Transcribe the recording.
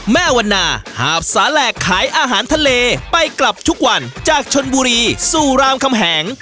แม่วันนาหาบสาแหลกขายอาหารทะเลไปกลับทุกวันจากชนบุรีสู่รามคำแหง